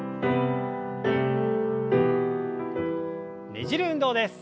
ねじる運動です。